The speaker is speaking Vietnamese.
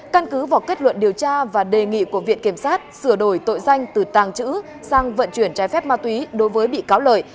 căn cứ vào kết luận điều tra và đề nghị của viện kiểm sát sửa đổi tội danh từ tàng trữ sang vận chuyển trái phép ma túy đối với bị cáo lợi